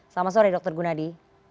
selamat sore dr gunadi